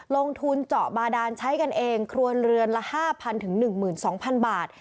ลงทุนเจาะบาดานใช้กันเองครัวเรือนละ๕๐๐๑๒๐๐๐บาท